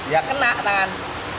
ya kena tangan